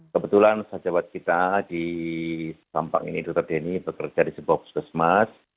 kebetulan sejawat kita di sampang ini dr denny bekerja di sebuah puskesmas